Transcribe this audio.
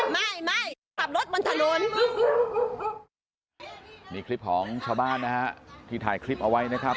ไม่ไม่ขับรถบนถนนนี่คลิปของชาวบ้านนะฮะที่ถ่ายคลิปเอาไว้นะครับ